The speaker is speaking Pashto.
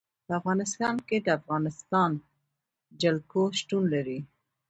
په افغانستان کې د افغانستان جلکو شتون لري.